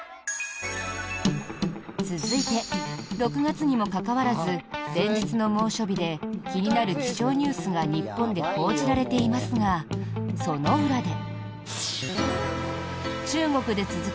続いて、６月にもかかわらず連日の猛暑日で気になる気象ニュースが日本で報じられていますがその裏で。